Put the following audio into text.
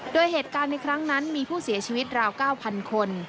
โดยเหตุการณ์ในครั้งนั้นมีผู้เสียชีวิตราว๙๐๐คน